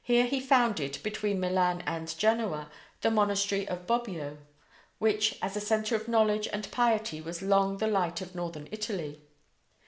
Here he founded, between Milan and Genoa, the monastery of Bobbio, which as a centre of knowledge and piety was long the light of northern Italy.